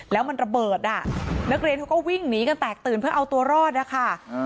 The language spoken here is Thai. แล้วมันระเบิดอ่ะนักเรียนเขาก็วิ่งหนีกันแตกตื่นเพื่อเอาตัวรอดนะคะ